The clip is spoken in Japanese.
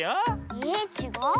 えっちがう？